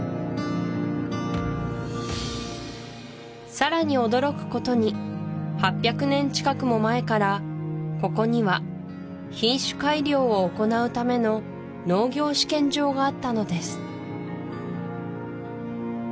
さらに驚くことに８００年近くも前からここには品種改良を行うための農業試験場があったのです